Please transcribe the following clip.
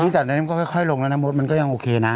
แต่ตอนนี้มันก็ค่อยลงแล้วนะมดมันก็ยังโอเคนะ